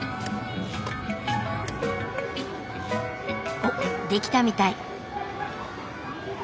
おっ出来たみたい。